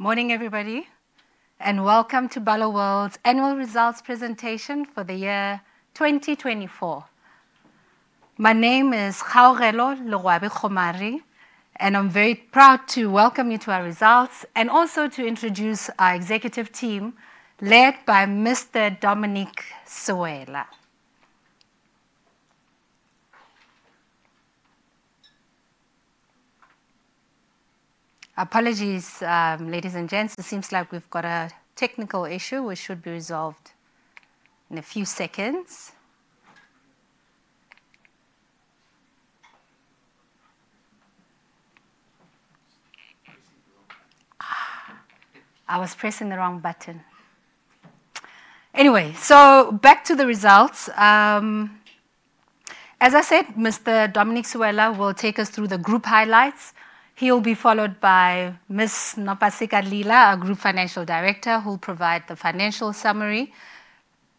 Morning, everybody, and welcome to Barloworld's annual results presentation for the year 2024. My name is Kgaugelo Legoabe-Kgomari, and I'm very proud to welcome you to our results and also to introduce our executive team led by Mr. Dominic Sewela. Apologies, ladies and gents. It seems like we've got a technical issue which should be resolved in a few seconds. I was pressing the wrong button. Anyway, so back to the results. As I said, Mr. Dominic Sewela will take us through the group highlights. He'll be followed by Ms. Nopasika Lila, our Group Financial Director, who'll provide the financial summary.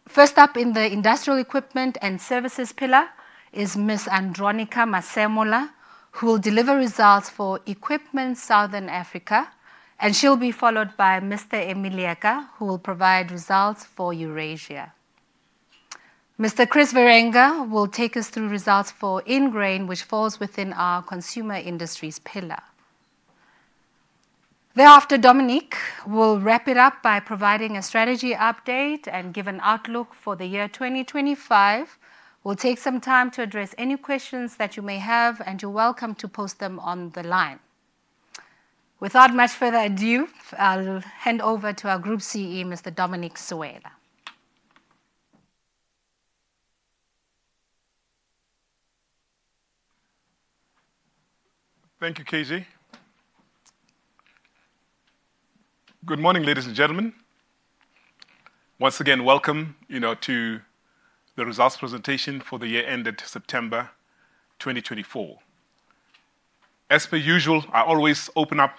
First up in the industrial equipment and services pillar is Ms. Andronicca Masemola, who will deliver results for Equipment Southern Africa, and she'll be followed by Mr. Emmy Leeka, who will provide results for Eurasia. Mr. Chris Wierenga will take us through results for Ingrain, which falls within our consumer industries pillar. Thereafter, Dominic will wrap it up by providing a strategy update and give an outlook for the year 2025. We'll take some time to address any questions that you may have, and you're welcome to post them on the line. Without much further ado, I'll hand over to our Group CE, Mr. Dominic Sewela. Thank you, KG. Good morning, ladies and gentlemen. Once again, welcome to the results presentation for the year ended September 2024. As per usual, I always open up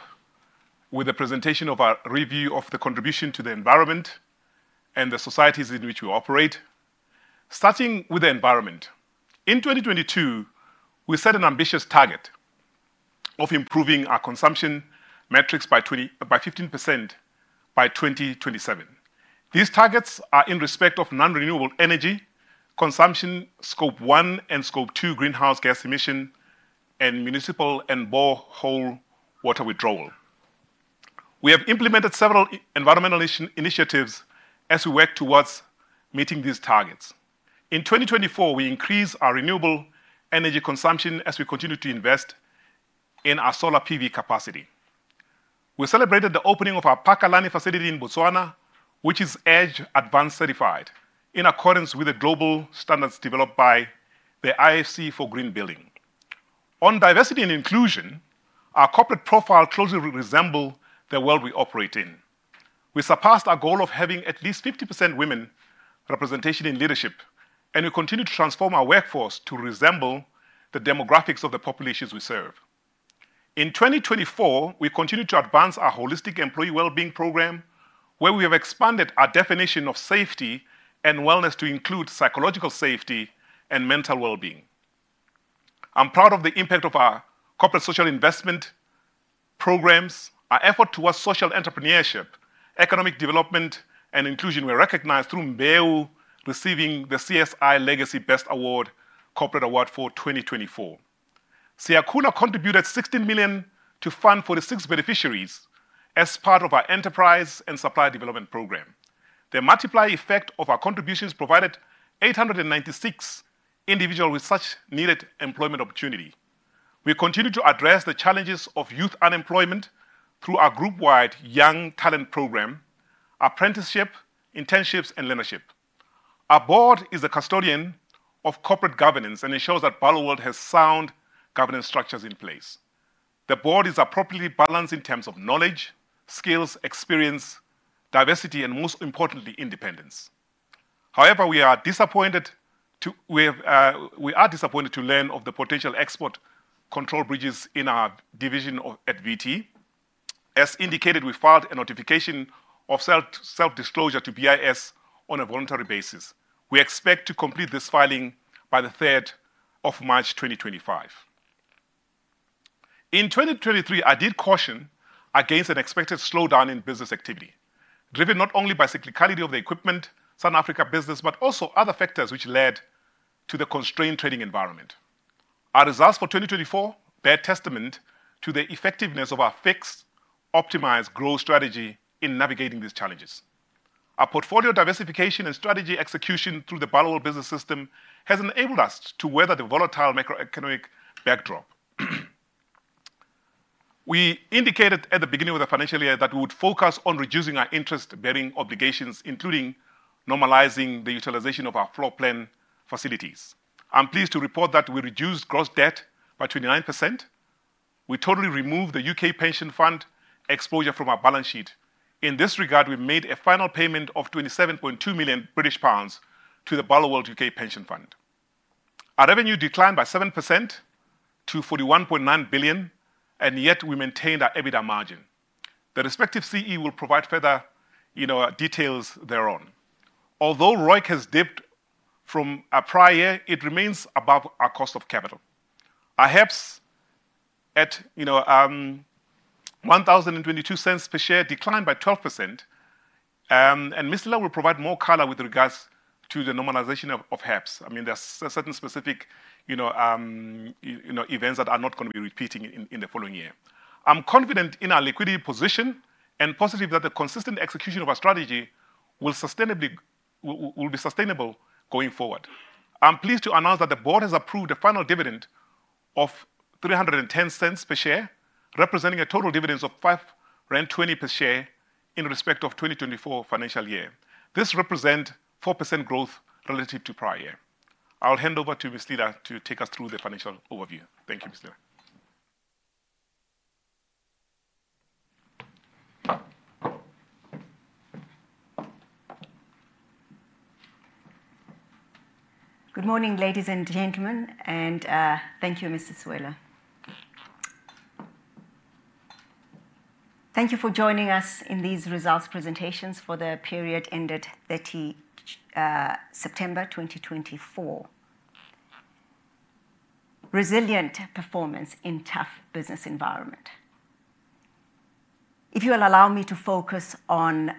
with a presentation of our review of the contribution to the environment and the societies in which we operate, starting with the environment. In 2022, we set an ambitious target of improving our consumption metrics by 15% by 2027. These targets are in respect of non-renewable energy consumption, Scope 1 and Scope 2 greenhouse gas emissions, and municipal and borehole water withdrawal. We have implemented several environmental initiatives as we work towards meeting these targets. In 2024, we increased our renewable energy consumption as we continue to invest in our solar PV capacity. We celebrated the opening of our Phakalane facility in Botswana, which is EDGE Advanced Certified in accordance with the global standards developed by the IFC for green building. On diversity and inclusion, our corporate profile closely resembles the world we operate in. We surpassed our goal of having at least 50% women representation in leadership, and we continue to transform our workforce to resemble the demographics of the populations we serve. In 2024, we continue to advance our holistic employee well-being program, where we have expanded our definition of safety and wellness to include psychological safety and mental well-being. I'm proud of the impact of our corporate social investment programs. Our effort towards social entrepreneurship, economic development, and inclusion were recognized through Mbewu receiving the CSI Legacy Best Corporate Award for 2024. Siyakhula contributed 16 million to fund 46 beneficiaries as part of our enterprise and supplier development program. The multiplier effect of our contributions provided 896 individuals such needed employment opportunities. We continue to address the challenges of youth unemployment through our group-wide young talent program, apprenticeship, internships, and leadership. Our board is the custodian of corporate governance and ensures that Barloworld has sound governance structures in place. The board is appropriately balanced in terms of knowledge, skills, experience, diversity, and most importantly, independence. However, we are disappointed to learn of the potential export control breaches in our division at VT. As indicated, we filed a notification of self-disclosure to BIS on a voluntary basis. We expect to complete this filing by the 3rd of March 2025. In 2023, I did caution against an expected slowdown in business activity, driven not only by the cyclicality of the equipment Southern Africa business, but also other factors which led to the constrained trading environment. Our results for 2024 bear testament to the effectiveness of our fixed optimized growth strategy in navigating these challenges. Our portfolio diversification and strategy execution through the Barloworld Business System has enabled us to weather the volatile macroeconomic backdrop. We indicated at the beginning of the financial year that we would focus on reducing our interest-bearing obligations, including normalizing the utilization of our floor plan facilities. I'm pleased to report that we reduced gross debt by 29%. We totally removed the U.K. pension fund exposure from our balance sheet. In this regard, we made a final payment of 27.2 million British pounds to the Barloworld U.K. Pension Fund. Our revenue declined by 7% to 41.9 billion, and yet we maintained our EBITDA margin. The respective CEO will provide further details thereon. Although ROIC has dipped from a prior year, it remains above our cost of capital. Our HEPS at 10.22 per share declined by 12%. And Ms. Lila will provide more color with regards to the normalization of HEPS. I mean, there are certain specific events that are not going to be repeating in the following year. I'm confident in our liquidity position and positive that the consistent execution of our strategy will be sustainable going forward. I'm pleased to announce that the board has approved the final dividend of 3.10 per share, representing a total dividend of 5.20 rand per share in respect of 2024 financial year. This represents 4% growth relative to prior year. I'll hand over to Ms. Lila to take us through the financial overview. Thank you, Ms. Lila. Good morning, ladies and gentlemen, and thank you, Mr. Sewela. Thank you for joining us in these results presentations for the period ended September 2024. Resilient performance in tough business environment. If you will allow me to focus on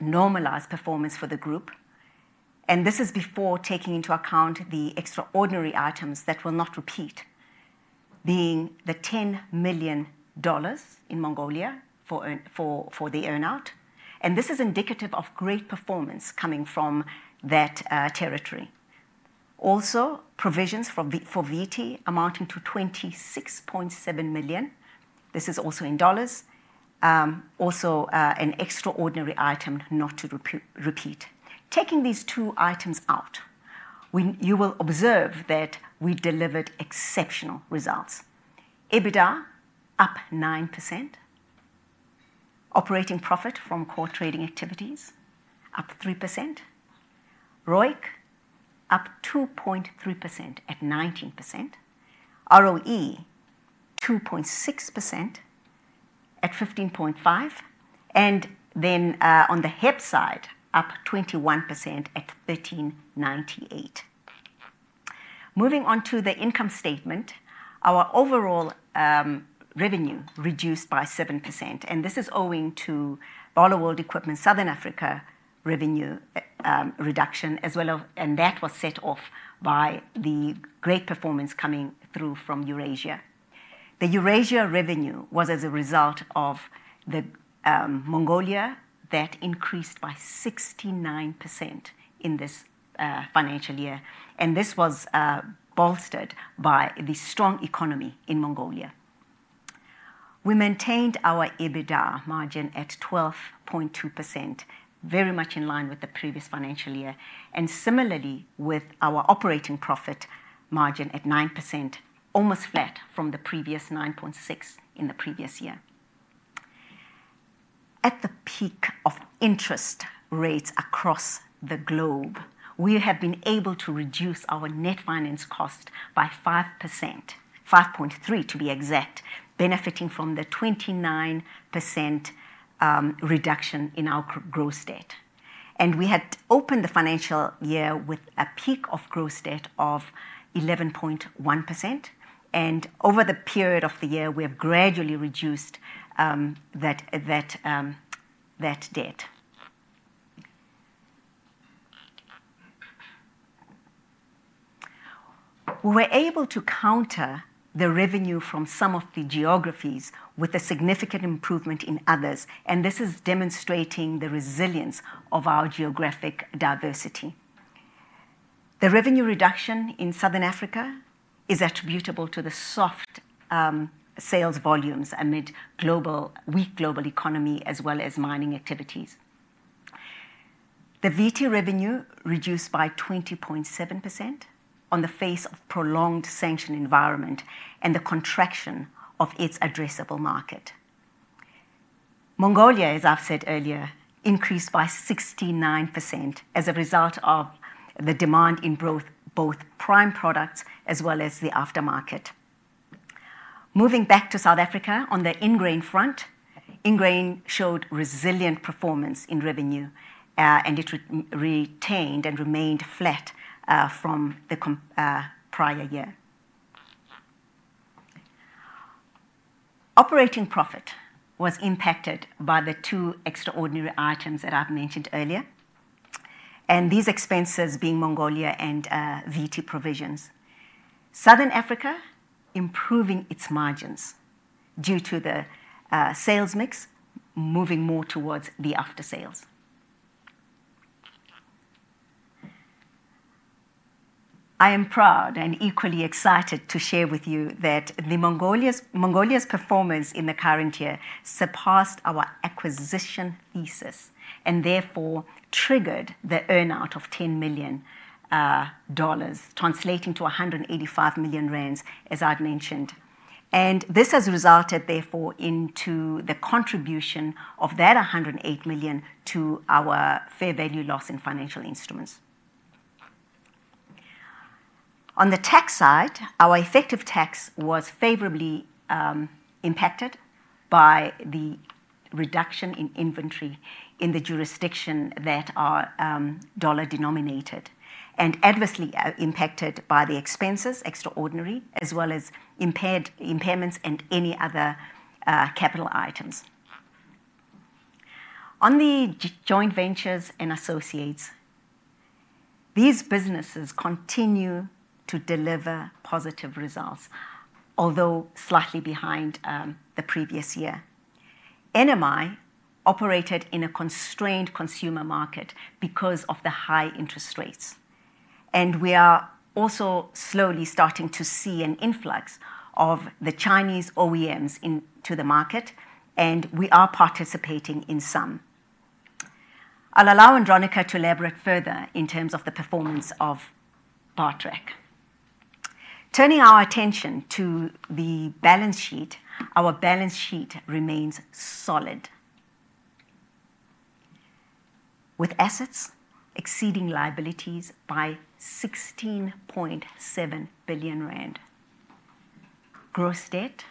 normalized performance for the group, and this is before taking into account the extraordinary items that will not repeat, being the $10 million in Mongolia for the earnout, and this is indicative of great performance coming from that territory. Also, provisions for VT amounting to $26.7 million. This is also in dollars. Also, an extraordinary item not to repeat. Taking these two items out, you will observe that we delivered exceptional results. EBITDA up 9%. Operating profit from core trading activities up 3%. ROIC up 2.3% at 19%. ROE 2.6% at 15.5%. And then on the HEPS side, up 21% at 13.98%. Moving on to the income statement, our overall revenue reduced by 7%, and this is owing to Barloworld Equipment Southern Africa revenue reduction, as well as that was set off by the great performance coming through from Eurasia. The Eurasia revenue was as a result of Mongolia, that increased by 69% in this financial year, and this was bolstered by the strong economy in Mongolia. We maintained our EBITDA margin at 12.2%, very much in line with the previous financial year, and similarly with our operating profit margin at 9%, almost flat from the previous 9.6% in the previous year. At the peak of interest rates across the globe, we have been able to reduce our net finance cost by 5%, 5.3% to be exact, benefiting from the 29% reduction in our gross debt. We had opened the financial year with a peak of gross debt of 11.1%, and over the period of the year, we have gradually reduced that debt. We were able to counter the revenue from some of the geographies with a significant improvement in others, and this is demonstrating the resilience of our geographic diversity. The revenue reduction in Southern Africa is attributable to the soft sales volumes amid weak global economy, as well as mining activities. The VT revenue reduced by 20.7% in the face of prolonged sanction environment and the contraction of its addressable market. Mongolia, as I've said earlier, increased by 69% as a result of the demand in both prime products as well as the aftermarket. Moving back to South Africa on the Ingrain front, Ingrain showed resilient performance in revenue, and it remained flat from the prior year. Operating profit was impacted by the two extraordinary items that I've mentioned earlier, and these expenses being Mongolia and VT provisions. Southern Africa improving its margins due to the sales mix moving more towards the after-sales. I am proud and equally excited to share with you that Mongolia's performance in the current year surpassed our acquisition thesis and therefore triggered the earnout of $10 million, translating to 185 million rand, as I've mentioned, and this has resulted therefore into the contribution of that 108 million to our fair value loss in financial instruments. On the tax side, our effective tax was favorably impacted by the reduction in inventory in the jurisdiction that are dollar denominated and adversely impacted by the expenses, extraordinary, as well as impairments and any other capital items. On the joint ventures and associates, these businesses continue to deliver positive results, although slightly behind the previous year. NMI operated in a constrained consumer market because of the high interest rates, and we are also slowly starting to see an influx of the Chinese OEMs into the market, and we are participating in some. I'll allow Andronica to elaborate further in terms of the performance of Bartrac. Turning our attention to the balance sheet, our balance sheet remains solid, with assets exceeding liabilities by 16.7 billion rand. Gross debt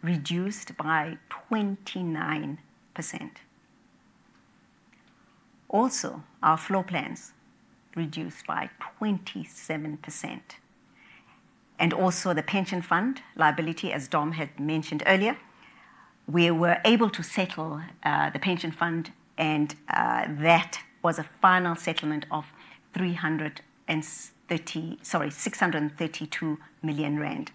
reduced by 29%. Also, our floor plans reduced by 27%. And also the pension fund liability, as Dom had mentioned earlier, we were able to settle the pension fund, and that was a final settlement of 632 million rand.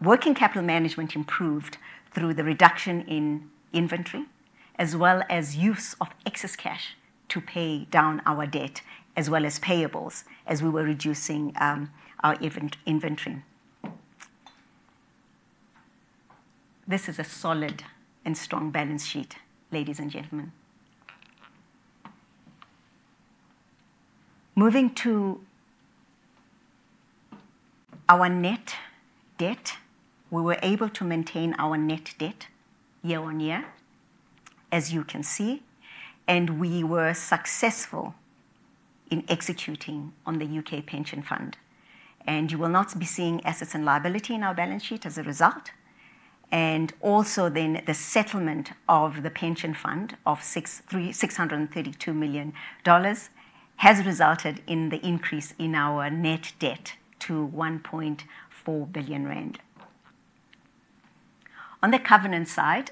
Working capital management improved through the reduction in inventory, as well as use of excess cash to pay down our debt, as well as payables, as we were reducing our inventory. This is a solid and strong balance sheet, ladies and gentlemen. Moving to our net debt, we were able to maintain our net debt year on year, as you can see, and we were successful in executing on the U.K. pension fund, and you will not be seeing assets and liability in our balance sheet as a result, and also then the settlement of the pension fund of $632 million has resulted in the increase in our net debt to 1.4 billion rand. On the covenant side,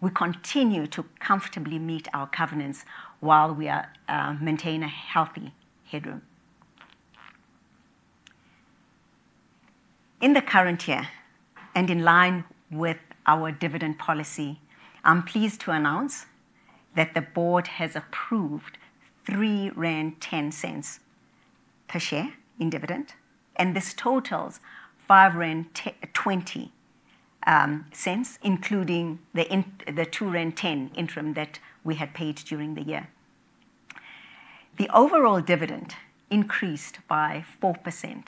we continue to comfortably meet our covenants while we maintain a healthy headroom. In the current year and in line with our dividend policy, I'm pleased to announce that the board has approved 3.10 rand per share in dividend, and this totals 5.20 rand, including the 2.10 rand interim that we had paid during the year. The overall dividend increased by 4%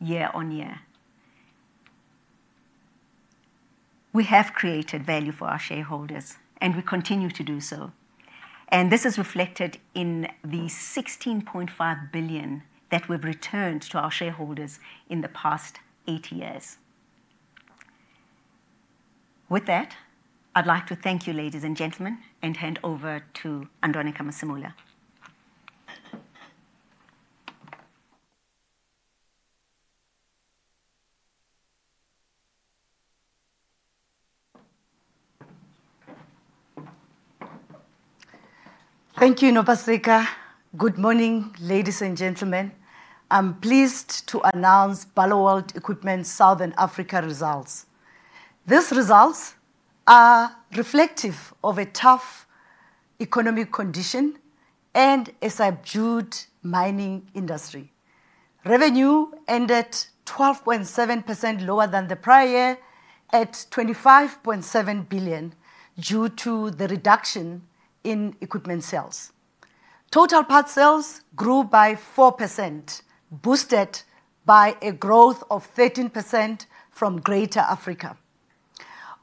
year on year. We have created value for our shareholders, and we continue to do so, and this is reflected in the 16.5 billion that we've returned to our shareholders in the past eight years. With that, I'd like to thank you, ladies and gentlemen, and hand over to Andronicca Masemola. Thank you, Nopasika. Good morning, ladies and gentlemen. I'm pleased to announce Barloworld Equipment Southern Africa results. These results are reflective of a tough economic condition and a subdued mining industry. Revenue ended 12.7% lower than the prior year at 25.7 billion due to the reduction in equipment sales. Total parts sales grew by 4%, boosted by a growth of 13% from Greater Africa.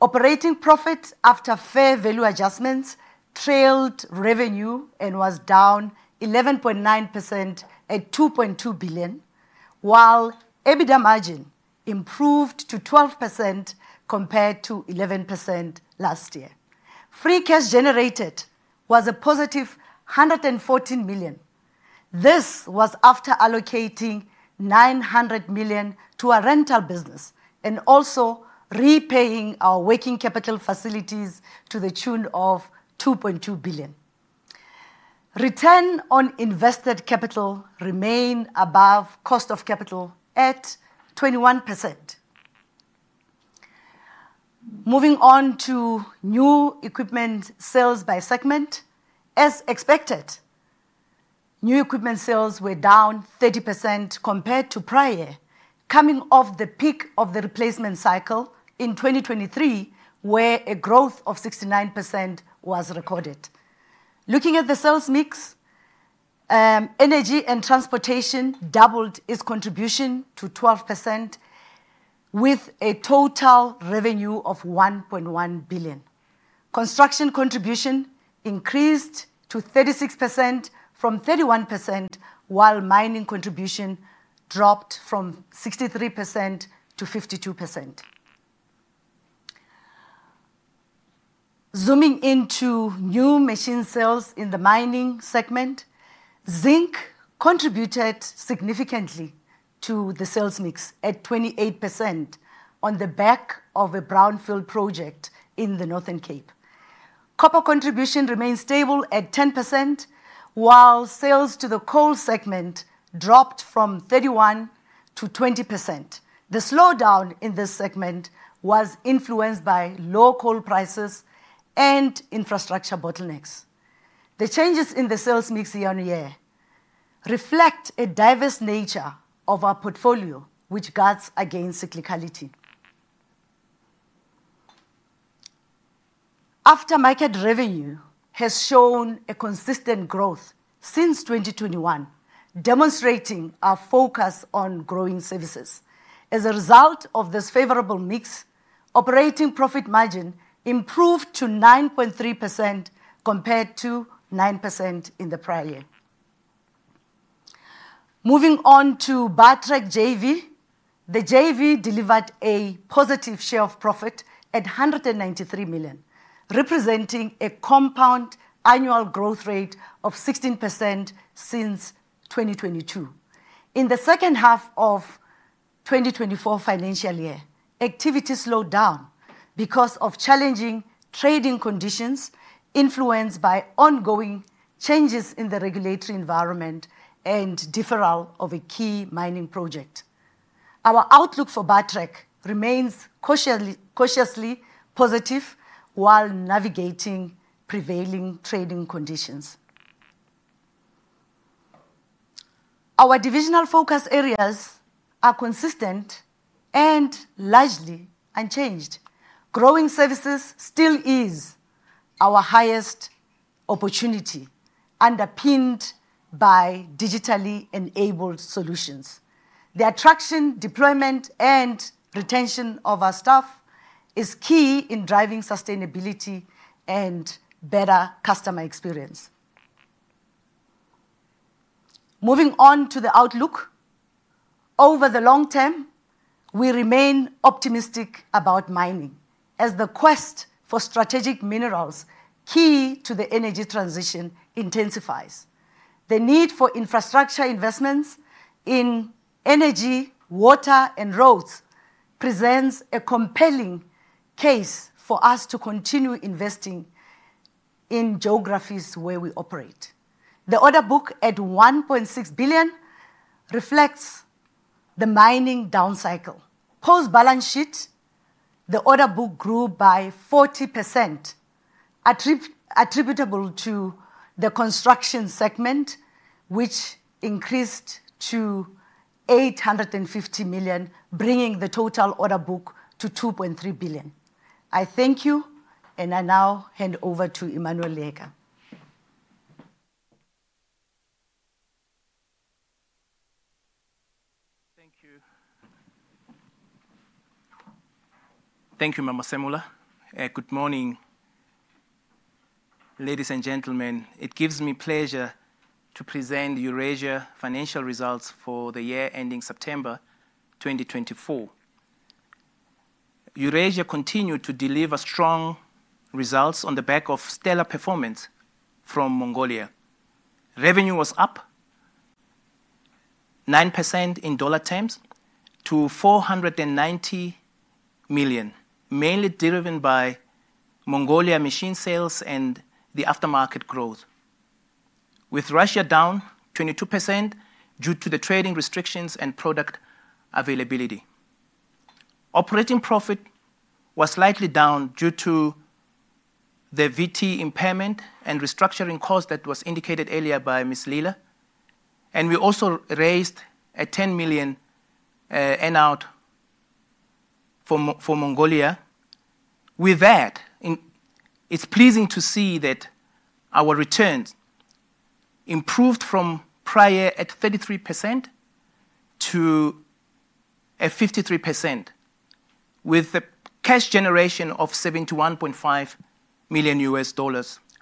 Operating profit after fair value adjustments trailed revenue and was down 11.9% at 2.2 billion, while EBITDA margin improved to 12% compared to 11% last year. Free cash generated was a positive 114 million. This was after allocating 900 million to a rental business and also repaying our working capital facilities to the tune of 2.2 billion. Return on invested capital remained above cost of capital at 21%. Moving on to new equipment sales by segment. As expected, new equipment sales were down 30% compared to prior, coming off the peak of the replacement cycle in 2023, where a growth of 69% was recorded. Looking at the sales mix, energy and transportation doubled its contribution to 12%, with a total revenue of 1.1 billion. Construction contribution increased to 36% from 31%, while mining contribution dropped from 63% to 52%. Zooming into new machine sales in the mining segment, zinc contributed significantly to the sales mix at 28% on the back of a brownfield project in the Northern Cape. Copper contribution remained stable at 10%, while sales to the coal segment dropped from 31% to 20%. The slowdown in this segment was influenced by low coal prices and infrastructure bottlenecks. The changes in the sales mix year on year reflect a diverse nature of our portfolio, which guards against cyclicality. Aftermarket revenue has shown a consistent growth since 2021, demonstrating our focus on growing services. As a result of this favorable mix, operating profit margin improved to 9.3% compared to 9% in the prior year. Moving on to Bartrac JV, the JV delivered a positive share of profit at 193 million, representing a compound annual growth rate of 16% since 2022. In the second half of 2024 financial year, activity slowed down because of challenging trading conditions influenced by ongoing changes in the regulatory environment and deferral of a key mining project. Our outlook for Bartrac remains cautiously positive while navigating prevailing trading conditions. Our divisional focus areas are consistent and largely unchanged. Growing services still is our highest opportunity, underpinned by digitally enabled solutions. The attraction, deployment, and retention of our staff is key in driving sustainability and better customer experience. Moving on to the outlook, over the long term, we remain optimistic about mining as the quest for strategic minerals key to the energy transition intensifies. The need for infrastructure investments in energy, water, and roads presents a compelling case for us to continue investing in geographies where we operate. The order book at 1.6 billion reflects the mining down cycle. Post-balance sheet, the order book grew by 40%, attributable to the construction segment, which increased to 850 million, bringing the total order book to 2.3 billion. I thank you, and I now hand over to Emmanuel Leeka. Thank you. Thank you, Andronica Masemola. Good morning, ladies and gentlemen. It gives me pleasure to present Eurasia financial results for the year ending September 2024. Eurasia continued to deliver strong results on the back of stellar performance from Mongolia. Revenue was up 9% in dollar terms to $490 million, mainly driven by Mongolia machine sales and the aftermarket growth, with Russia down 22% due to the trading restrictions and product availability. Operating profit was slightly down due to the VT impairment and restructuring cost that was indicated earlier by Ms. Lila. We also raised a $10 million earnout for Mongolia. With that, it's pleasing to see that our returns improved from prior at 33% to 53%, with the cash generation of $71.5 million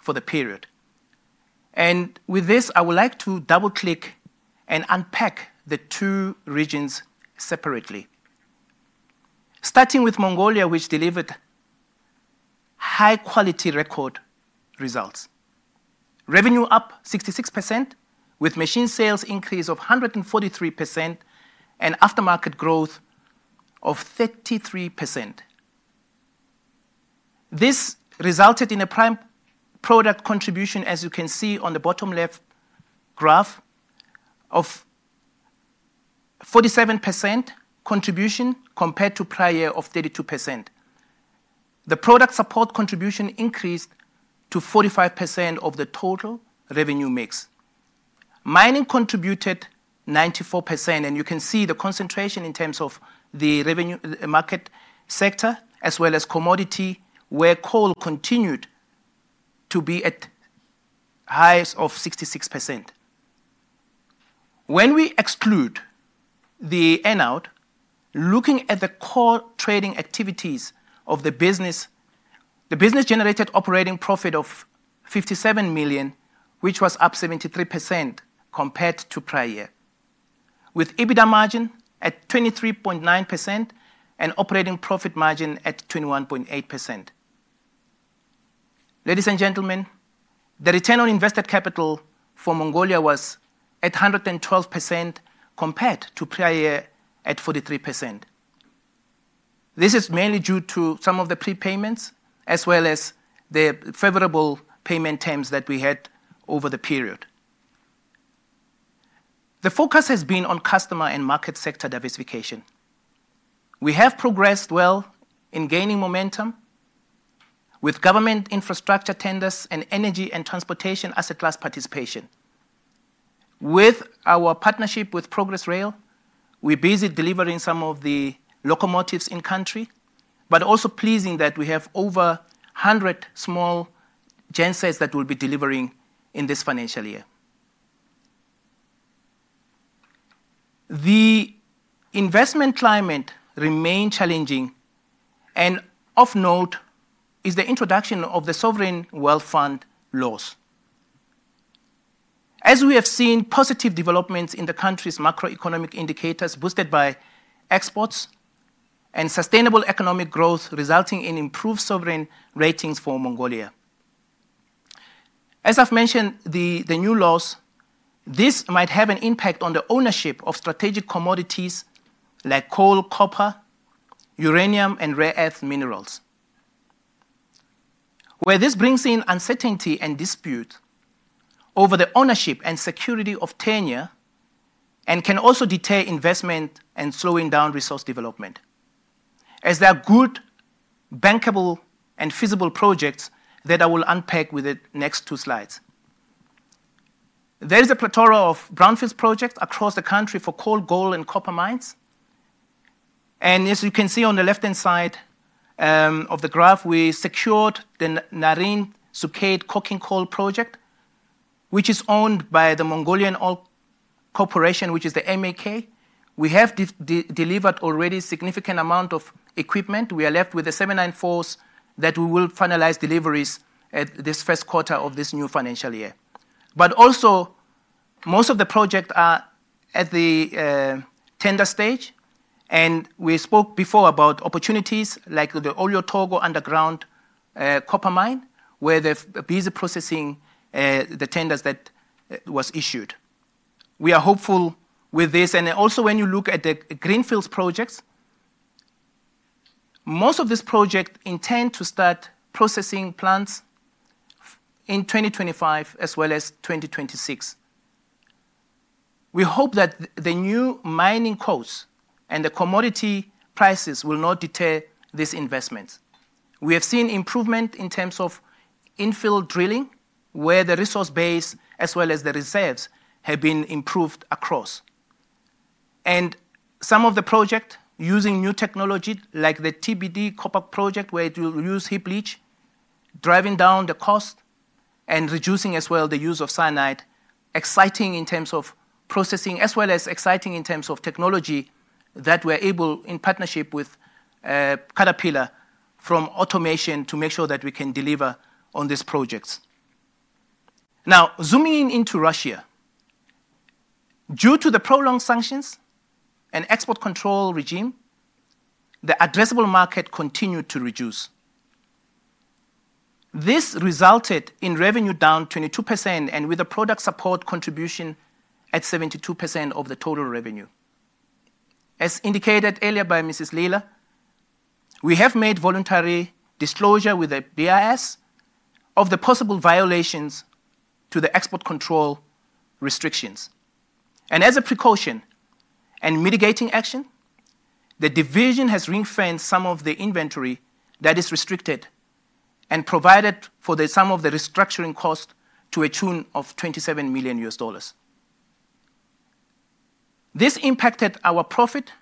for the period. With this, I would like to double-click and unpack the two regions separately. Starting with Mongolia, which delivered high-quality record results. Revenue up 66%, with machine sales increase of 143% and aftermarket growth of 33%. This resulted in a prime product contribution, as you can see on the bottom left graph, of 47% contribution compared to prior year of 32%. The product support contribution increased to 45% of the total revenue mix. Mining contributed 94%, and you can see the concentration in terms of the market sector, as well as commodity, where coal continued to be at highs of 66%. When we exclude the earnout, looking at the core trading activities of the business, the business generated operating profit of 57 million, which was up 73% compared to prior year, with EBITDA margin at 23.9% and operating profit margin at 21.8%. Ladies and gentlemen, the return on invested capital for Mongolia was at 112% compared to prior year at 43%. This is mainly due to some of the prepayments, as well as the favorable payment terms that we had over the period. The focus has been on customer and market sector diversification. We have progressed well in gaining momentum with government infrastructure tenders and energy and transportation asset class participation. With our partnership with Progress Rail, we're busy delivering some of the locomotives in country, but it's also pleasing that we have over 100 small gensets that will be delivering in this financial year. The investment climate remained challenging, and of note is the introduction of the Sovereign Wealth Fund laws. As we have seen positive developments in the country's macroeconomic indicators, boosted by exports and sustainable economic growth, resulting in improved sovereign ratings for Mongolia. As I've mentioned, the new laws, this might have an impact on the ownership of strategic commodities like coal, copper, uranium, and rare earth minerals, where this brings in uncertainty and dispute over the ownership and security of tenure and can also deter investment and slowing down resource development, as there are good, bankable, and feasible projects that I will unpack with the next two slides. There is a plethora of brownfield projects across the country for coal, gold, and copper mines, and as you can see on the left-hand side of the graph, we secured the Nariin Sukhait Coking Coal project, which is owned by the Mongolyn Alt Corporation, which is the MAK. We have delivered already a significant amount of equipment. We are left with the 794s that we will finalize deliveries at this first quarter of this new financial year. But also, most of the projects are at the tender stage, and we spoke before about opportunities like the Oyu Tolgoi underground copper mine, where they're busy processing the tenders that were issued. We are hopeful with this, and also, when you look at the greenfield projects, most of these projects intend to start processing plants in 2025 as well as 2026. We hope that the new mining costs and the commodity prices will not deter these investments. We have seen improvement in terms of infill drilling, where the resource base as well as the reserves have been improved across. Some of the projects using new technology like the TBD Copper project, where it will use heap leach, driving down the cost and reducing as well the use of cyanide, exciting in terms of processing, as well as exciting in terms of technology that we're able, in partnership with Caterpillar, from automation to make sure that we can deliver on these projects. Now, zooming in into Russia. Due to the prolonged sanctions and export control regime, the addressable market continued to reduce. This resulted in revenue down 22% and with a product support contribution at 72% of the total revenue. As indicated earlier by Mrs. Lila, we have made voluntary disclosure with the BIS of the possible violations to the export control restrictions. As a precaution and mitigating action, the division has refined some of the inventory that is restricted and provided for some of the restructuring cost to a tune of $27 million. This impacted our profit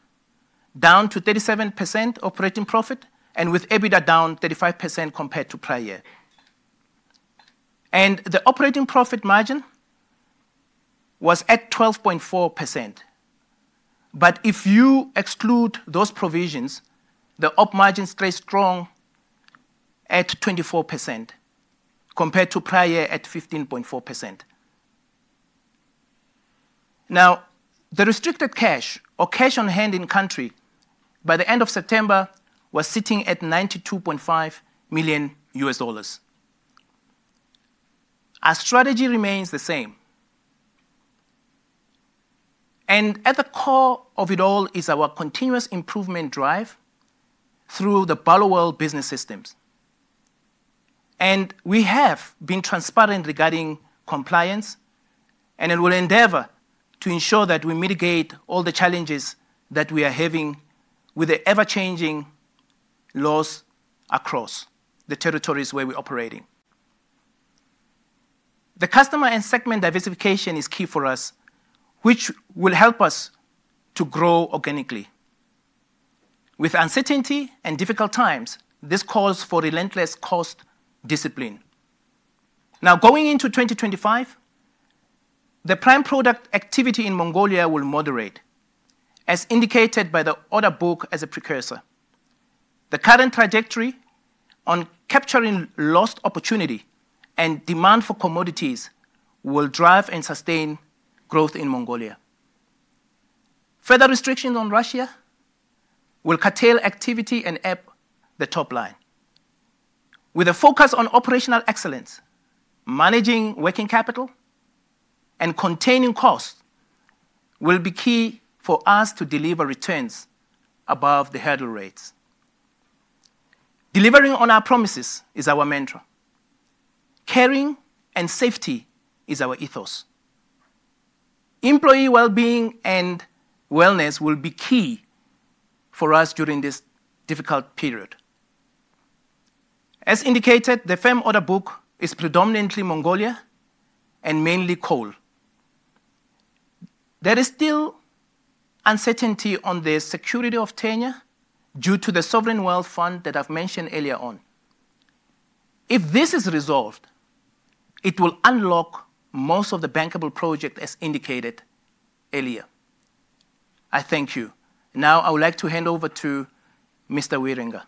down to 37% operating profit and with EBITDA down 35% compared to prior year. The operating profit margin was at 12.4%. If you exclude those provisions, the OP margin stays strong at 24% compared to prior year at 15.4%. Now, the restricted cash or cash on hand in country by the end of September was sitting at $92.5 million. Our strategy remains the same. At the core of it all is our continuous improvement drive through the Barloworld Business System. We have been transparent regarding compliance, and we'll endeavor to ensure that we mitigate all the challenges that we are having with the ever-changing laws across the territories where we're operating. The customer and segment diversification is key for us, which will help us to grow organically. With uncertainty and difficult times, this calls for relentless cost discipline. Now, going into 2025, the prime product activity in Mongolia will moderate, as indicated by the order book as a precursor. The current trajectory on capturing lost opportunity and demand for commodities will drive and sustain growth in Mongolia. Further restrictions on Russia will curtail activity and up the top line. With a focus on operational excellence, managing working capital, and containing costs will be key for us to deliver returns above the hurdle rates. Delivering on our promises is our mantra. Caring and safety is our ethos. Employee well-being and wellness will be key for us during this difficult period. As indicated, the firm order book is predominantly Mongolia and mainly coal. There is still uncertainty on the security of tenure due to the Sovereign Wealth Fund that I've mentioned earlier on. If this is resolved, it will unlock most of the bankable projects as indicated earlier. I thank you. Now, I would like to hand over to Mr. Wierenga.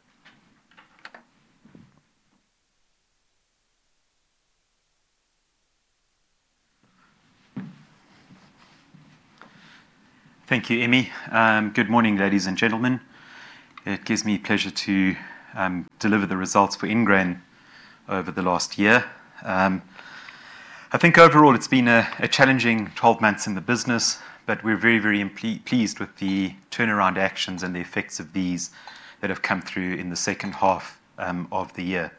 Thank you, Emmy. Good morning, ladies and gentlemen. It gives me pleasure to deliver the results for Ingrain over the last year. I think overall, it's been a challenging 12 months in the business, but we're very, very pleased with the turnaround actions and the effects of these that have come through in the second half of the year.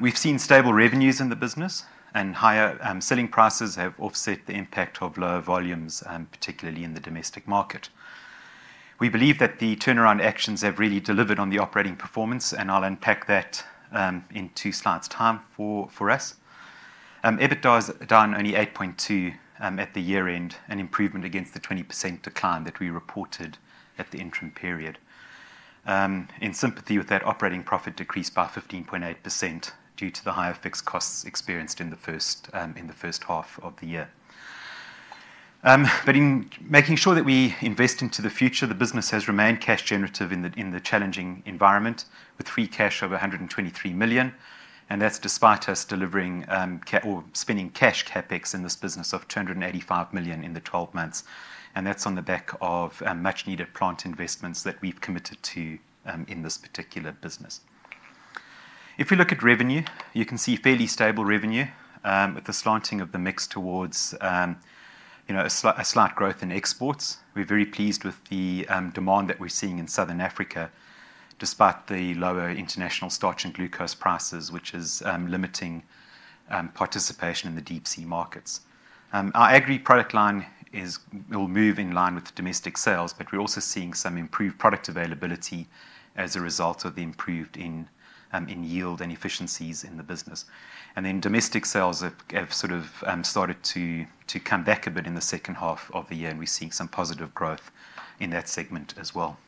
We've seen stable revenues in the business, and higher selling prices have offset the impact of lower volumes, particularly in the domestic market. We believe that the turnaround actions have really delivered on the operating performance, and I'll unpack that in two slides' time for us. EBITDA is down only 8.2% at the year-end, an improvement against the 20% decline that we reported at the interim period. In sympathy with that, operating profit decreased by 15.8% due to the higher fixed costs experienced in the first half of the year, but in making sure that we invest into the future, the business has remained cash-generative in the challenging environment with free cash of 123 million, and that's despite us delivering or spending cash CapEx in this business of 285 million in the 12 months. And that's on the back of much-needed plant investments that we've committed to in this particular business. If we look at revenue, you can see fairly stable revenue with the slanting of the mix towards a slight growth in exports. We're very pleased with the demand that we're seeing in Southern Africa, despite the lower international starch and glucose prices, which is limiting participation in the deep-sea markets. Our agri product line will move in line with domestic sales, but we're also seeing some improved product availability as a result of the improved yield and efficiencies in the business. And then domestic sales have sort of started to come back a bit in the second half of the year, and we're seeing some positive growth in that segment as well.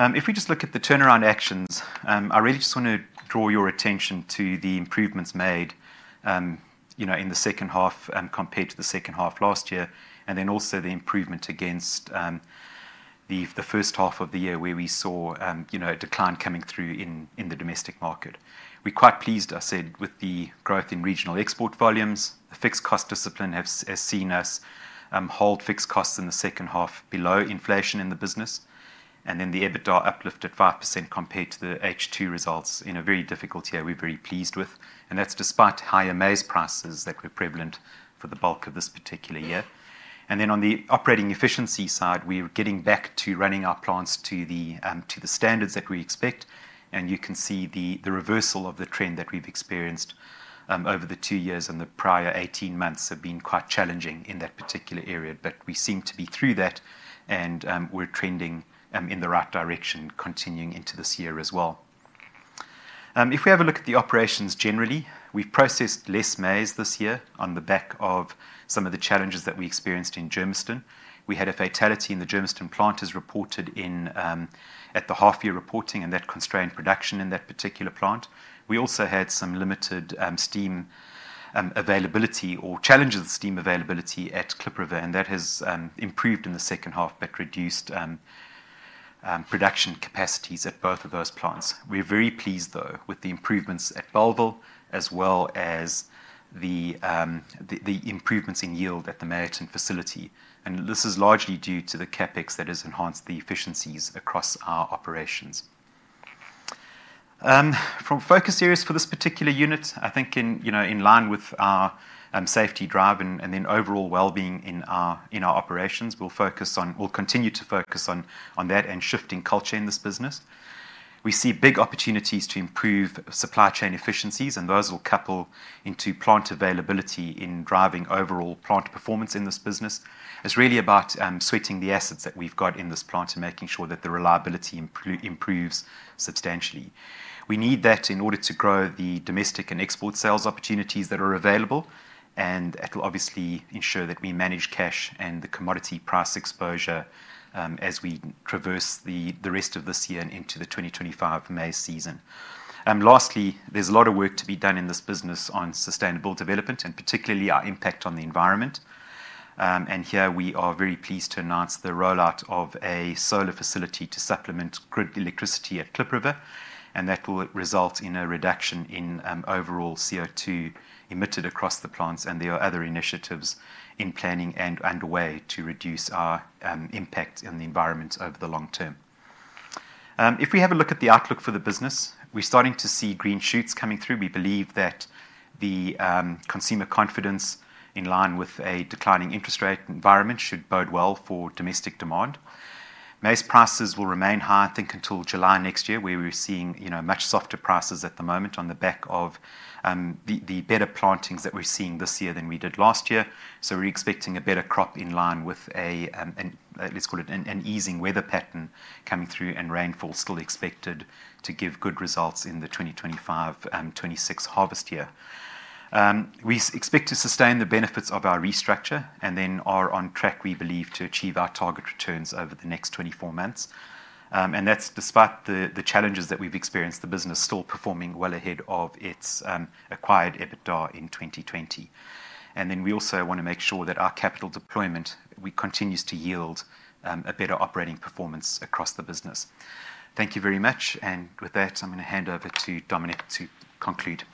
If we just look at the turnaround actions, I really just want to draw your attention to the improvements made in the second half compared to the second half last year, and then also the improvement against the first half of the year where we saw a decline coming through in the domestic market. We're quite pleased, I said, with the growth in regional export volumes. The fixed cost discipline has seen us hold fixed costs in the second half below inflation in the business. And then the EBITDA uplifted 5% compared to the H2 results in a very difficult year we're very pleased with. And that's despite higher maize prices that were prevalent for the bulk of this particular year. And then on the operating efficiency side, we're getting back to running our plants to the standards that we expect. And you can see the reversal of the trend that we've experienced over the two years and the prior 18 months have been quite challenging in that particular area. But we seem to be through that, and we're trending in the right direction continuing into this year as well. If we have a look at the operations generally, we've processed less maize this year on the back of some of the challenges that we experienced in Germiston. We had a fatality in the Germiston plant as reported in at the half-year reporting, and that constrained production in that particular plant. We also had some limited steam availability or challenges with steam availability at Kliprivier, and that has improved in the second half but reduced production capacities at both of those plants. We're very pleased, though, with the improvements at Bellville as well as the improvements in yield at the Meyerton facility. And this is largely due to the CapEx that has enhanced the efficiencies across our operations. From focus areas for this particular unit, I think in line with our safety drive and then overall well-being in our operations, we'll continue to focus on that and shifting culture in this business. We see big opportunities to improve supply chain efficiencies, and those will couple into plant availability in driving overall plant performance in this business. It's really about sweating the assets that we've got in this plant and making sure that the reliability improves substantially. We need that in order to grow the domestic and export sales opportunities that are available, and it'll obviously ensure that we manage cash and the commodity price exposure as we traverse the rest of this year and into the 2025 maize season. Lastly, there's a lot of work to be done in this business on sustainable development and particularly our impact on the environment. And here we are very pleased to announce the rollout of a solar facility to supplement grid electricity at Kliprivier, and that will result in a reduction in overall CO2 emitted across the plants. And there are other initiatives in planning and underway to reduce our impact on the environment over the long term. If we have a look at the outlook for the business, we're starting to see green shoots coming through. We believe that the consumer confidence in line with a declining interest rate environment should bode well for domestic demand. Maize prices will remain high, I think, until July next year, where we're seeing much softer prices at the moment on the back of the better plantings that we're seeing this year than we did last year. We're expecting a better crop in line with a, let's call it an easing weather pattern coming through, and rainfall still expected to give good results in the 2025-26 harvest year. We expect to sustain the benefits of our restructure and then are on track, we believe, to achieve our target returns over the next 24 months, and that's despite the challenges that we've experienced, the business still performing well ahead of its acquired EBITDA in 2020. And then we also want to make sure that our capital deployment continues to yield a better operating performance across the business. Thank you very much. And with that, I'm going to hand over to Dominic to conclude.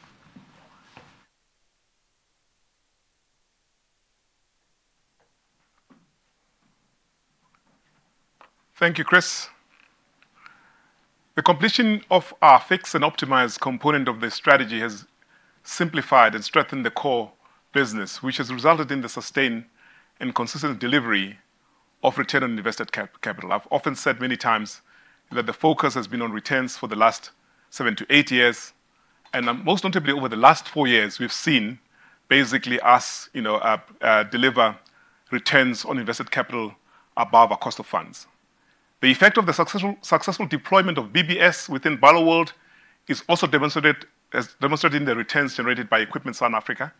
Thank you, Chris. The completion of our fixed and optimized component of the strategy has simplified and strengthened the core business, which has resulted in the sustained and consistent delivery of return on invested capital. I've often said many times that the focus has been on returns for the last seven to eight years, and most notably over the last four years, we've seen basically us deliver returns on invested capital above our cost of funds. The effect of the successful deployment of BBS within Barloworld is also demonstrated in the returns generated by Equipment Southern Africa.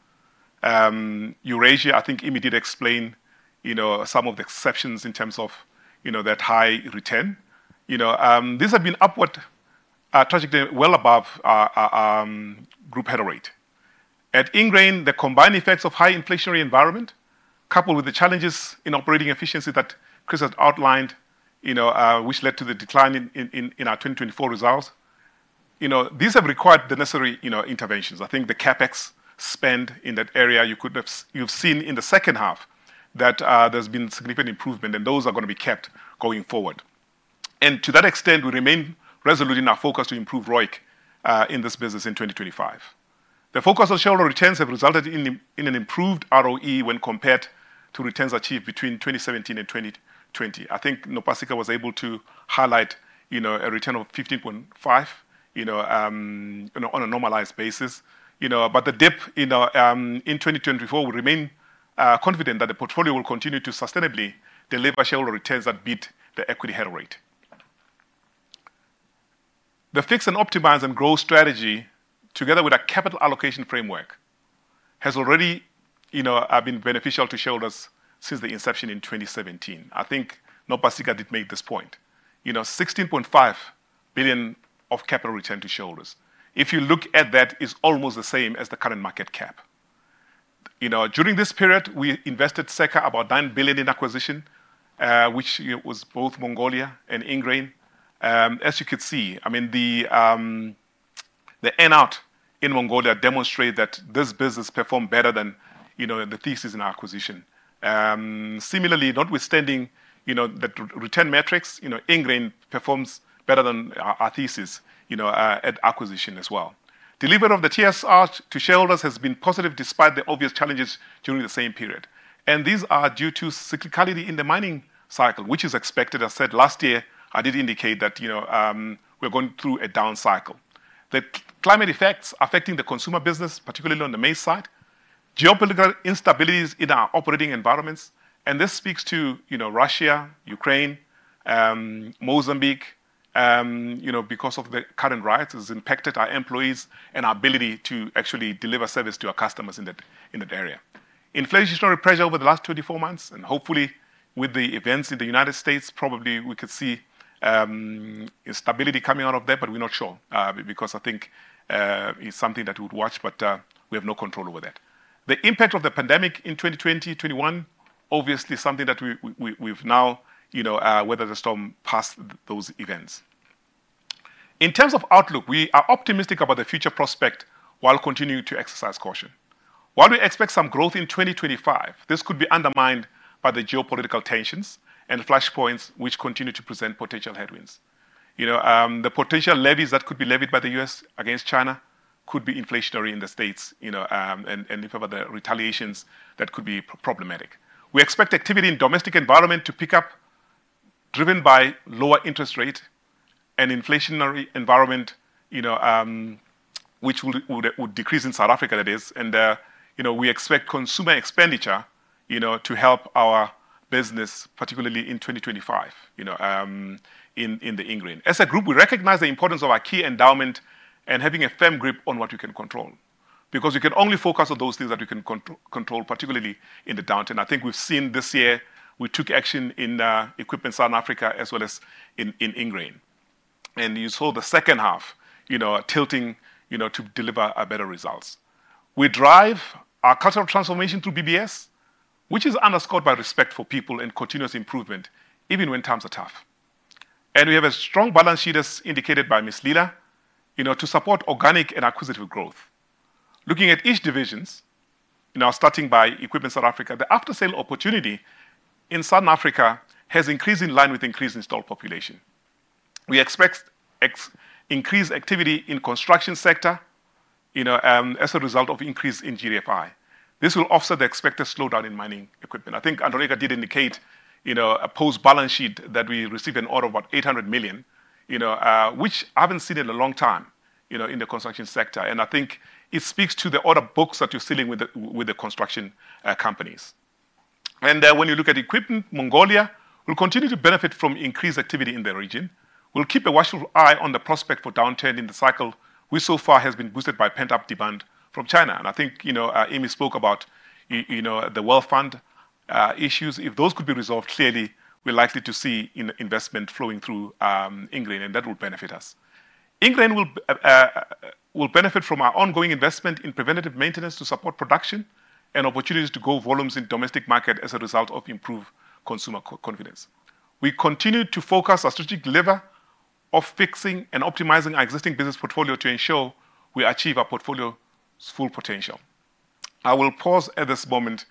Eurasia, I think Emmy did explain some of the exceptions in terms of that high return. These have been upward trajectory, well above our group hurdle rate. At Ingrain, the combined effects of high inflationary environment coupled with the challenges in operating efficiency that Chris has outlined, which led to the decline in our 2024 results, these have required the necessary interventions. I think the CapEx spend in that area, you've seen in the second half that there's been significant improvement, and those are going to be kept going forward and to that extent, we remain resolute in our focus to improve ROIC in this business in 2025. The focus on shareholder returns has resulted in an improved ROE when compared to returns achieved between 2017 and 2020. I think Nopasika was able to highlight a return of 15.5% on a normalized basis but the dip in 2024, we remain confident that the portfolio will continue to sustainably deliver shareholder returns that beat the equity hurdle rate. The fixed and optimized and growth strategy, together with a capital allocation framework, has already been beneficial to shareholders since the inception in 2017. I think Nopasika did make this point. 16.5 billion of capital return to shareholders. If you look at that, it's almost the same as the current market cap. During this period, we invested circa about 9 billion in acquisition, which was both Mongolia and Ingrain. As you could see, I mean, the outcome in Mongolia demonstrated that this business performed better than the thesis in our acquisition. Similarly, notwithstanding the return metrics, Ingrain performs better than our thesis at acquisition as well. Delivery of the TSR to shareholders has been positive despite the obvious challenges during the same period, these are due to cyclicality in the mining cycle, which is expected. As I said, last year, I did indicate that we're going through a down cycle. The climate effects affecting the consumer business, particularly on the maize side, geopolitical instabilities in our operating environments, and this speaks to Russia, Ukraine, Mozambique, because of the current riots has impacted our employees and our ability to actually deliver service to our customers in that area. Inflationary pressure over the last 24 months, and hopefully with the events in the United States, probably we could see stability coming out of that, but we're not sure because I think it's something that we would watch, but we have no control over that. The impact of the pandemic in 2020-21, obviously something that we've now weathered the storm past those events. In terms of outlook, we are optimistic about the future prospect while continuing to exercise caution. While we expect some growth in 2025, this could be undermined by the geopolitical tensions and flashpoints which continue to present potential headwinds. The potential levies that could be levied by the U.S. against China could be inflationary in the States, and if ever the retaliations that could be problematic. We expect activity in domestic environment to pick up, driven by lower interest rate and inflationary environment, which would decrease in South Africa, that is, and we expect consumer expenditure to help our business, particularly in 2025 in the Ingrain. As a group, we recognize the importance of our key endowment and having a firm grip on what we can control because we can only focus on those things that we can control, particularly in the downtime. I think we've seen this year, we took action in Equipment Southern Africa as well as in Ingrain. You saw the second half tilting to deliver better results. We drive our cultural transformation through BBS, which is underscored by respect for people and continuous improvement, even when times are tough. We have a strong balance sheet, as indicated by Ms. Lila, to support organic and acquisitive growth. Looking at each division, starting by Equipment Southern Africa, the after-sale opportunity in Southern Africa has increased in line with increase in installed population. We expect increased activity in the construction sector as a result of increase in GDFI. This will offset the expected slowdown in mining equipment. I think Andronica did indicate a post-balance sheet that we received an order of about 800 million, which I haven't seen in a long time in the construction sector. I think it speaks to the order books that you're dealing with the construction companies. When you look at Equipment Mongolia, we'll continue to benefit from increased activity in the region. We'll keep a watchful eye on the prospect for downturn in the cycle, which so far has been boosted by pent-up demand from China. I think Emmy spoke about the wealth fund issues. If those could be resolved, clearly we're likely to see investment flowing through Ingrain, and that will benefit us. Ingrain will benefit from our ongoing investment in preventative maintenance to support production and opportunities to grow volumes in domestic market as a result of improved consumer confidence. We continue to focus our strategic lever of fixing and optimizing our existing business portfolio to ensure we achieve our portfolio's full potential. I will pause at this moment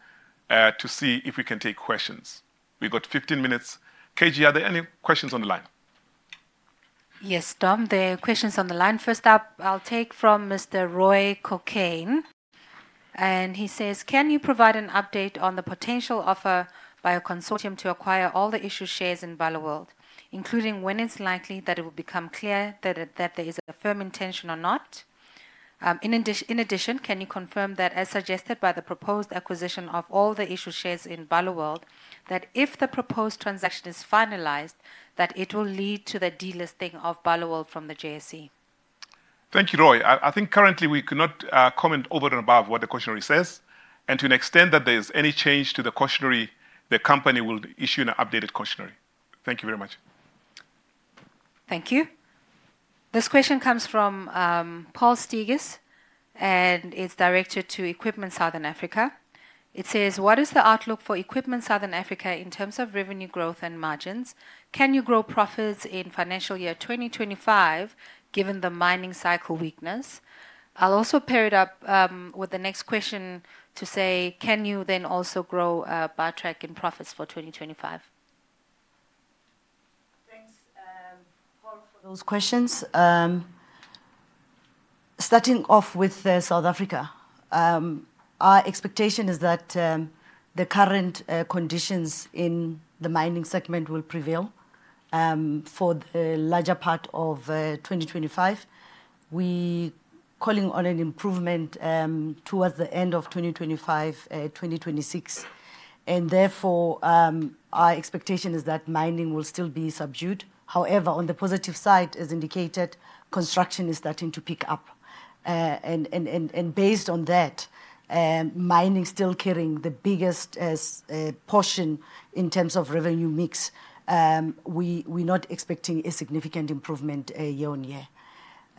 to see if we can take questions. We've got 15 minutes. KG, are there any questions on the line? Yes, Dom, there are questions on the line. First up, I'll take from Mr. Roy Cokayne. He says, "Can you provide an update on the potential offer by a consortium to acquire all the issue shares in Barloworld, including when it's likely that it will become clear that there is a firm intention or not? In addition, can you confirm that, as suggested by the proposed acquisition of all the issue shares in Barloworld, that if the proposed transaction is finalized, that it will lead to the delisting of Barloworld from the JSE? Thank you, Roy. I think currently we cannot comment over and above what the cautionary says, and to an extent that there is any change to the cautionary, the company will issue an updated cautionary. Thank you very much. Thank you. This question comes from Paul Steegers and is directed to Equipment Southern Africa. It says, "What is the outlook for Equipment Southern Africa in terms of revenue growth and margins? Can you grow profits in financial year 2025 given the mining cycle weakness?" I'll also pair it up with the next question to say, "Can you then also grow Bartrac in profits for 2025? Thanks, Paul, for those questions. Starting off with South Africa, our expectation is that the current conditions in the mining segment will prevail for the larger part of 2025. We're calling on an improvement towards the end of 2025-2026, and therefore, our expectation is that mining will still be subdued. However, on the positive side, as indicated, construction is starting to pick up, and based on that, mining is still carrying the biggest portion in terms of revenue mix. We're not expecting a significant improvement year on year.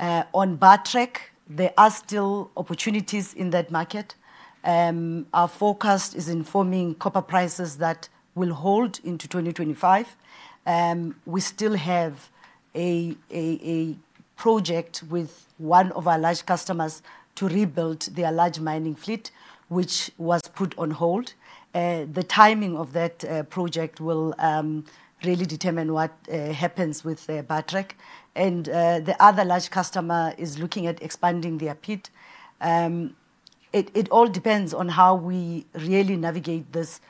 On Bartrac, there are still opportunities in that market. Our focus is informing copper prices that will hold into 2025. We still have a project with one of our large customers to rebuild their large mining fleet, which was put on hold. The timing of that project will really determine what happens with Bartrac. And the other large customer is looking at expanding their pit. It all depends on how we really navigate these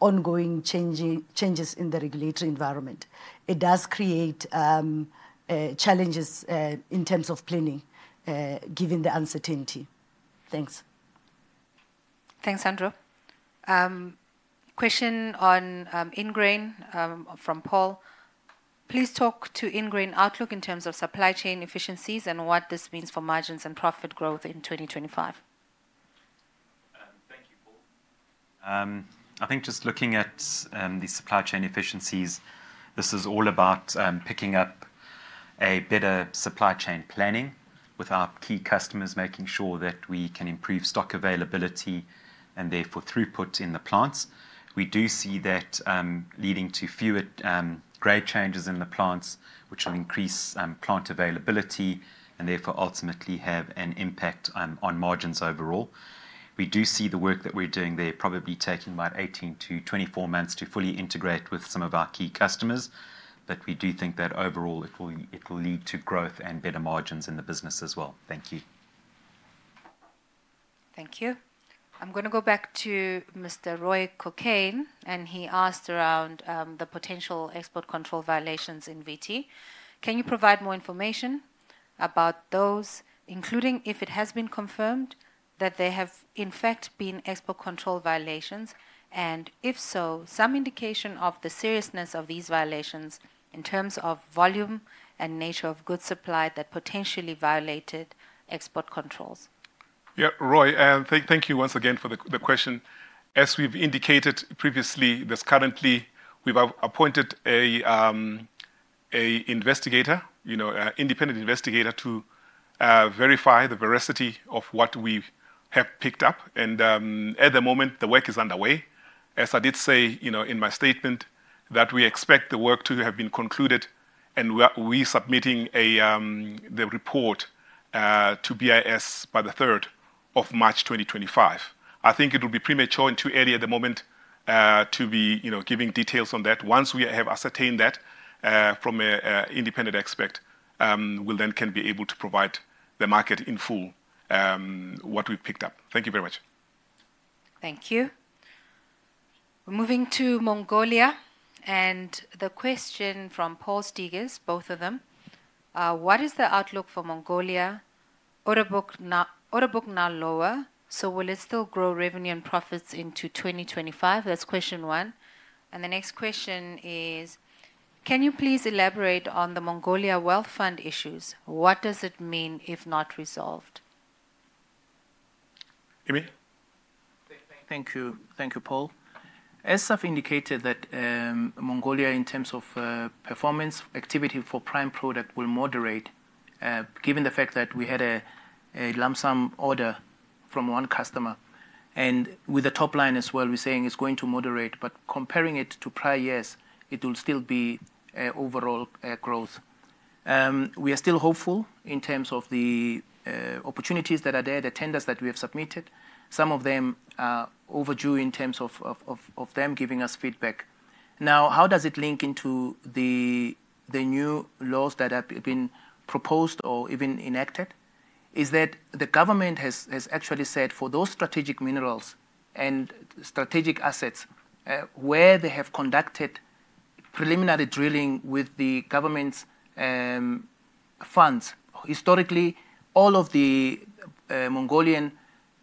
ongoing changes in the regulatory environment. It does create challenges in terms of planning, given the uncertainty. Thanks. Thanks, Andrew. Question on Ingrain from Paul. "Please talk to Ingrain outlook in terms of supply chain efficiencies and what this means for margins and profit growth in 2025. Thank you, Paul. I think just looking at the supply chain efficiencies, this is all about picking up a better supply chain planning with our key customers, making sure that we can improve stock availability and therefore throughput in the plants. We do see that leading to fewer grade changes in the plants, which will increase plant availability and therefore ultimately have an impact on margins overall. We do see the work that we're doing there probably taking about 18 to 24 months to fully integrate with some of our key customers. But we do think that overall it will lead to growth and better margins in the business as well. Thank you. Thank you. I'm going to go back to Mr. Roy Cokayne, and he asked around the potential export control violations in VT. Can you provide more information about those, including if it has been confirmed that there have in fact been export control violations? And if so, some indication of the seriousness of these violations in terms of volume and nature of goods supply that potentially violated export controls? Yeah, Roy, thank you once again for the question. As we've indicated previously, currently we've appointed an independent investigator to verify the veracity of what we have picked up, and at the moment, the work is underway. As I did say in my statement, we expect the work to have been concluded, and we're submitting the report to BIS by the 3rd of March 2025. I think it will be premature and too early at the moment to be giving details on that. Once we have ascertained that from an independent expert, we then can be able to provide the market in full what we've picked up. Thank you very much. Thank you. We're moving to Mongolia. And the question from Paul Steegers, both of them. "What is the outlook for Mongolia? Revenue lower, so will it still grow revenue and profits into 2025?" That's question one. And the next question is, "Can you please elaborate on the Mongolia wealth fund issues? What does it mean if not resolved? Emmy? Thank you, Paul. As I've indicated, that Mongolia, in terms of performance, activity for prime product will moderate, given the fact that we had a lump sum order from one customer, and with the top line as well, we're saying it's going to moderate, but comparing it to prior years, it will still be overall growth. We are still hopeful in terms of the opportunities that are there, the tenders that we have submitted. Some of them overdue in terms of them giving us feedback. Now, how does it link into the new laws that have been proposed or even enacted? Is that the government has actually said for those strategic minerals and strategic assets where they have conducted preliminary drilling with the government's funds. Historically, all of the Mongolian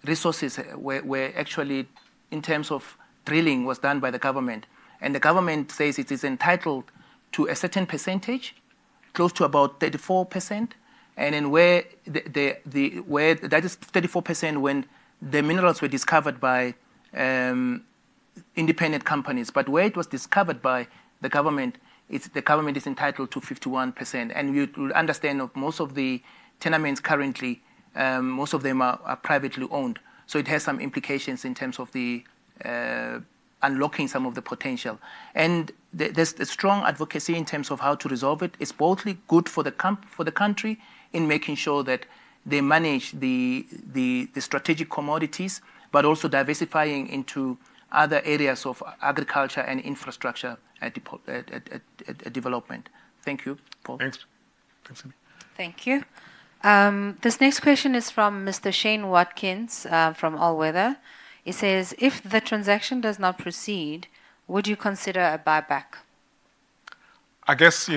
resources were actually, in terms of drilling, done by the government. The government says it is entitled to a certain percentage, close to about 34%. That is 34% when the minerals were discovered by independent companies. But where it was discovered by the government, the government is entitled to 51%. You understand that most of the tenements currently, most of them are privately owned. So it has some implications in terms of unlocking some of the potential. There's a strong advocacy in terms of how to resolve it. It's both good for the country in making sure that they manage the strategic commodities, but also diversifying into other areas of agriculture and infrastructure development. Thank you, Paul. Thanks. Thanks, Emmy. Thank you. This next question is from Mr. Shane Watkins from All Weather. He says, "If the transaction does not proceed, would you consider a buyback? I guess a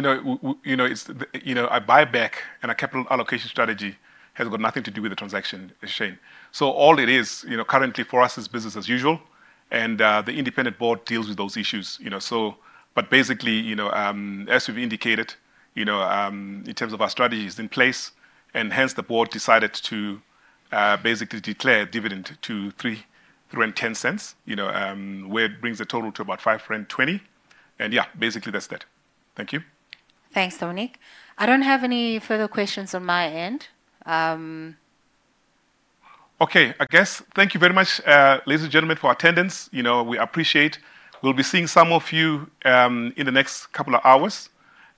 buyback and a capital allocation strategy has got nothing to do with the transaction, Shane. So all it is currently for us is business as usual, and the independent board deals with those issues. But basically, as we've indicated, in terms of our strategy is in place, and hence the board decided to basically declare dividend to 310 cents, where it brings the total to about 520. And yeah, basically that's that. Thank you. Thanks, Dominic. I don't have any further questions on my end. Okay, I guess. Thank you very much, ladies and gentlemen, for attendance. We appreciate it. We'll be seeing some of you in the next couple of hours,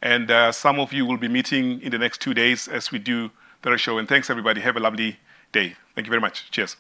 and some of you will be meeting in the next two days as we do the show. And thanks, everybody. Have a lovely day. Thank you very much. Cheers.